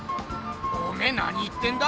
おめえ何言ってんだ？